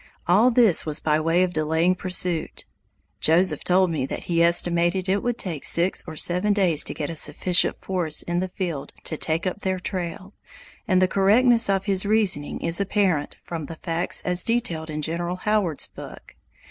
All this was by way of delaying pursuit. Joseph told me that he estimated it would take six or seven days to get a sufficient force in the field to take up their trail, and the correctness of his reasoning is apparent from the facts as detailed in General Howard's book.